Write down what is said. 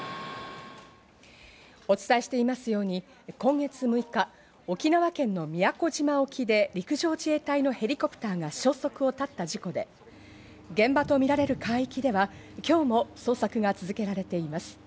お伝えしていますように、今月６日、沖縄県の宮古島沖で陸上自衛隊のヘリコプターが消息を絶った事故で現場とみられる海域では、今日も捜索が続けられています。